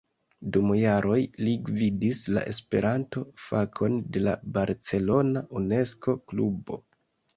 Dum jaroj li gvidis la Esperanto-fakon de la barcelona Unesko-klubo.